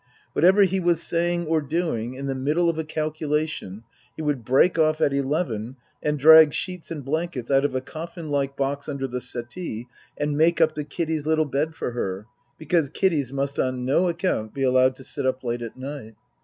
Whatever he was saying or doing, in the middle of a calculation, he would break off at eleven and drag sheets and blankets out of a coffin like box under the settee and make up the Kiddy's little bed for her, because Kiddies must on no account be allowed to sit up late at night.